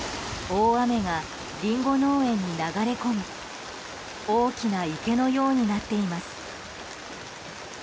大雨がリンゴ農園に流れ込み大きな池のようになっています。